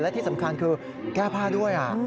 และที่สำคัญคือแก้ผ้าด้วย